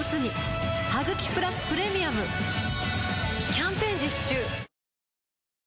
キャンペーン実施中